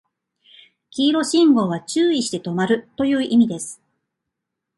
黄色信号は注意して止まるという意味です